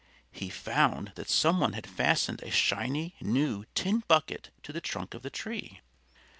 He found that some one had fastened a shiny, new tin bucket to the trunk of the tree.